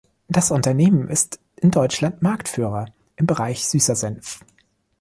Das Unternehmen ist in Deutschland Marktführer im Bereich süßer Senf.